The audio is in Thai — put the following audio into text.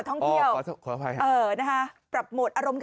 โอ่ขออภัยค่ะ